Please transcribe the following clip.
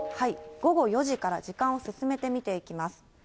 午後４時から時間を進めて見ていきます。